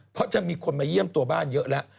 เพราะจะมีคนมาเยี่ยมตัวบ้านเยอะแล้ว